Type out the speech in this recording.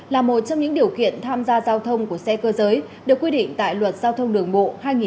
là một trong những điều khiển tham gia giao thông của xe cơ giới được quy định tại luật giao thông đường bộ hai nghìn tám